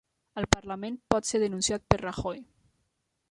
El parlament pot ser denunciat per Rajoy